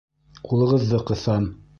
Ҡулығыҙҙы ҡыҫам.